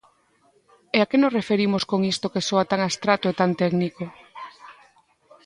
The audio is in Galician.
¿E a que nos referimos con isto que soa tan abstracto e tan técnico?